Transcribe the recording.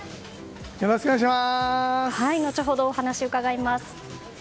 後ほどお話を伺います。